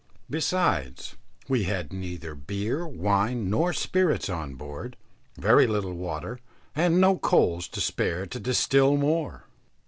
Besides, we had neither beer, wine, nor spirits on board, very little water, and no coals to spare to distil more.